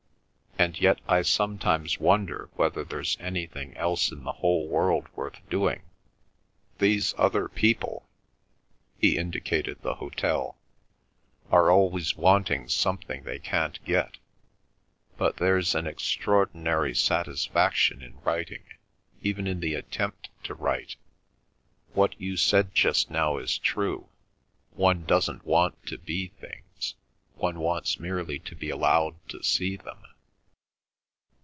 And yet I sometimes wonder whether there's anything else in the whole world worth doing. These other people," he indicated the hotel, "are always wanting something they can't get. But there's an extraordinary satisfaction in writing, even in the attempt to write. What you said just now is true: one doesn't want to be things; one wants merely to be allowed to see them."